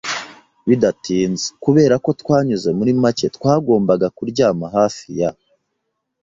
bidatinze. Kuberako twanyuze muri make, twagombaga kuryama hafi ya